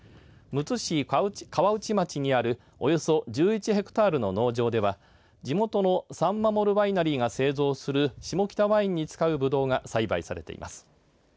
むつ市川内町にあるおよそ１１ヘクタールの農場では地元のサンマモルワイナリーが製造する下北ワインに使うぶどうが栽培されています。